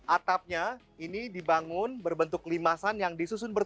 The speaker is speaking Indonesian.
atapnya ini dibangun berbentuk limasan yang disusun berbeda